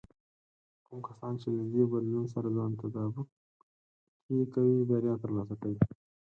کوم کسان چې له دې بدلون سره ځان تطابق کې کوي، بریا ترلاسه کوي.